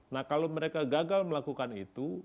nah kalau mereka gagal melakukan itu